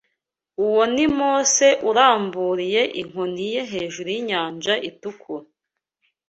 Uwo ni Mose uramburiye inkoni ye hejuru y’Inyanja Itukura